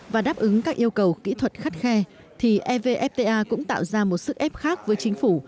và đáp ứng các yêu cầu kỹ thuật khắt khe thì evfta cũng tạo ra một sức ép khác với chính phủ